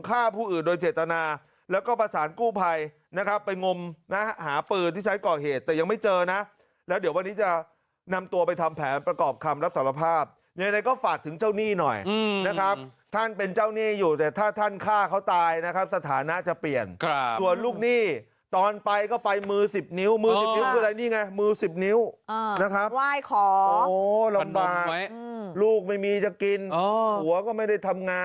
ฆ่าผู้อื่นโดยเจตนาแล้วก็ประสานกู้ภัยนะครับไปงมนะฮะหาปืนที่ใช้ก่อเหตุแต่ยังไม่เจอนะแล้วเดี๋ยววันนี้จะนำตัวไปทำแผนประกอบคำรับสารภาพยังไงก็ฝากถึงเจ้าหนี้หน่อยนะครับท่านเป็นเจ้าหนี้อยู่แต่ถ้าท่านฆ่าเขาตายนะครับสถานะจะเปลี่ยนส่วนลูกหนี้ตอนไปก็ไปมือสิบนิ้วมือสิบนิ้วคืออะไรนี่ไงมือสิบนิ้วนะครับ